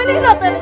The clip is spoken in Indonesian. gimana sih lu ini